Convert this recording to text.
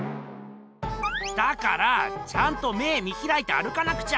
だからあちゃんと目見ひらいて歩かなくちゃ！